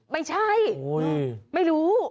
ไม่ใช่ไม่รู้